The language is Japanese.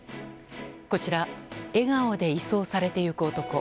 こちら、笑顔で移送されていく男。